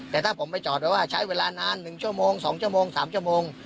แต่ถ้าผมไปจอดแปลว่าใช้เวลานาน๑ชั่วโมง๒ชั่วโมง๓ชั่วโมง